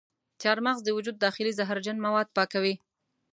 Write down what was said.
چارمغز د وجود داخلي زهرجن مواد پاکوي.